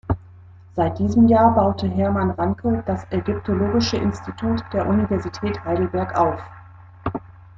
Seit diesem Jahr baute Hermann Ranke das Ägyptologische Institut der Universität Heidelberg auf.